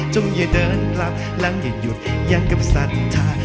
จงอย่าเดินกลับแล้วอย่าหยุดอย่างกับสัตว์ท้าย